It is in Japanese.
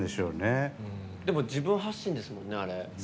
でも、自分発信ですもんね。